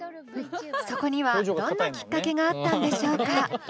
そこにはどんなきっかけがあったんでしょうか？